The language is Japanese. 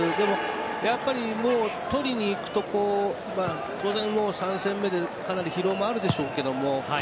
やっぱり取りにいくところ当然もう３戦目でかなり疲労もあるでしょうけど